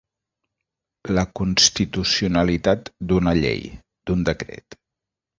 La constitucionalitat d'una llei, d'un decret.